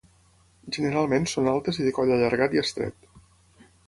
Generalment són altes i de coll allargat i estret.